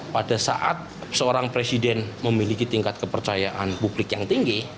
pada saat seorang presiden memiliki tingkat kepercayaan publik yang tinggi